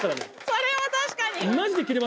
それは確かに。